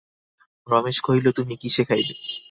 রমেশ কহিল, তুমি কিসে খাইবে?